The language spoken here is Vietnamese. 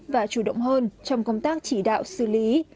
và chủ động hơn trong công tác chỉ đạo xử lý